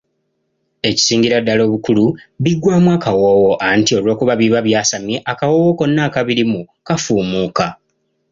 Ekisingira ddala obukulu biggwaamu akawoowo anti olw'okuba biba byasamye akawoowo konna akabirimu kafumuuka.